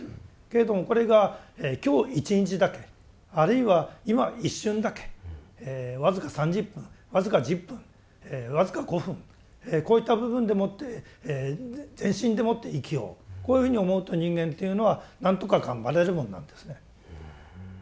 けれどもこれが今日一日だけあるいは今一瞬だけ僅か３０分僅か１０分僅か５分こういった部分でもって全身でもって生きようこういうふうに思うと人間というのは何とか頑張れるものなんですね。